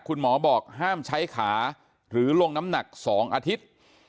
คุณหมอบอกห้ามใช้ขาหรือลงน้ำหนัก๒อาทิตย์